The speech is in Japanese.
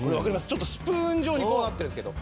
ちょっとスプーン状にこうなってるんですけど。